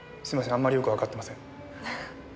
あんまりよくわかってません。